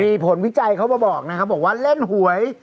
มีผลวิจัยเขามาบอกว่าเล่นหวย